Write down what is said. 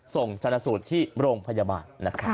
ส่งชนสูตรที่โรงพยาบาล